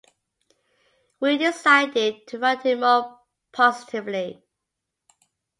We decided to ride him more positively.